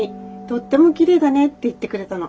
とってもきれいだね』っていってくれたの。